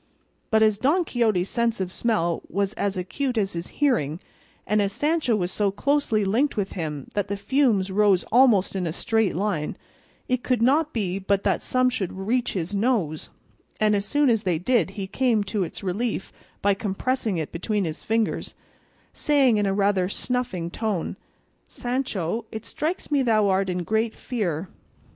But as Don Quixote's sense of smell was as acute as his hearing, and as Sancho was so closely linked with him that the fumes rose almost in a straight line, it could not be but that some should reach his nose, and as soon as they did he came to its relief by compressing it between his fingers, saying in a rather snuffing tone, "Sancho, it strikes me thou art in great fear."